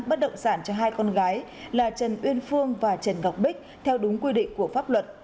bất động sản cho hai con gái là trần uyên phương và trần ngọc bích theo đúng quy định của pháp luật